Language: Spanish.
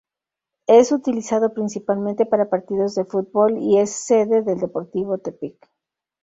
Es utilizado principalmente para partidos de fútbol y es sede del Deportivo Tepic.